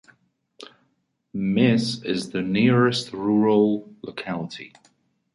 Mys is the nearest rural locality.